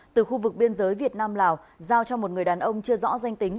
từ khu vực biên giới việt nam lào giao cho một người đàn ông chưa rõ danh tính